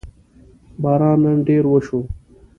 باران نن ډېر وشو